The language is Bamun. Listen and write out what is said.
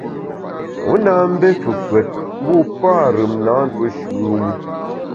Wu na mbé fefùet, mbu parùm na ntuo shùm u.